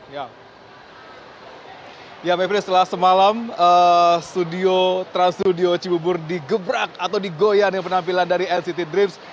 ya ya mepri setelah semalam trans studio cibubur digebrak atau digoyang penampilan dari nct dreamz